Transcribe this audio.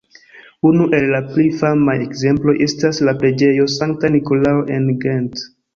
Unu el la pli famaj ekzemploj estas la preĝejo Sankta Nikolao en Gent.